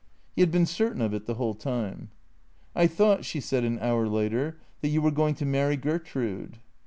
He had been certain of it the whole time. " I thought," she said an hour later, " that you were going to marry Gertrude."